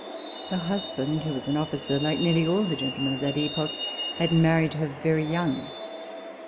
Her husband, who was an officer, like nearly all the gentlemen of that epoch, had married her very young.